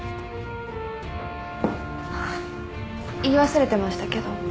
言い忘れてましたけど。